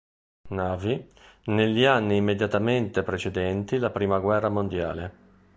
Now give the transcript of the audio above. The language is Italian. Navy negli anni immediatamente precedenti la prima guerra mondiale.